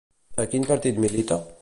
A quin partit milita?